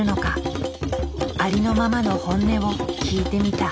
ありのままの本音を聞いてみた。